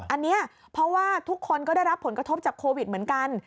อันนี้เพราะว่าทุกคนก็ได้รับผลกระทบจากโควิดเหมือนกัน